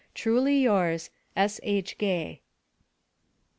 Truly Yours, S.H. GAY.